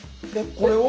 これを？